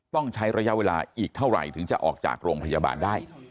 ต้องใช้ระยะเวลาอีกเท่าไหร่ถึงจะออกจากโรงพยาบาลได้